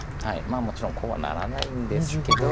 まあもちろんこうはならないんですけど。